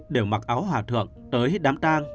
đều mặc áo hòa thượng tới đám tang